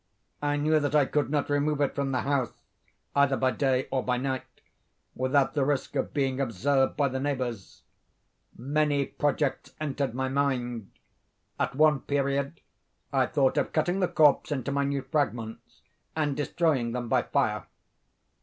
I knew that I could not remove it from the house, either by day or by night, without the risk of being observed by the neighbors. Many projects entered my mind. At one period I thought of cutting the corpse into minute fragments, and destroying them by fire.